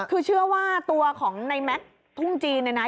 คือเชื่อว่าตัวของในแม็กซ์ทุ่งจีนเนี่ยนะ